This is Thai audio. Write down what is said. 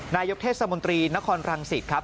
นายกเทศมนตรีนครรังสิตครับ